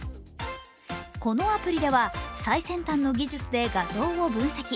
このアプリでは最先端の技術で画像を分析。